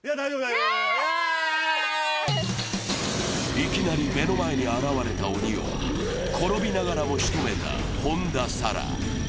いきなり目の前に現れた鬼を転びながらもしとめた本田紗来。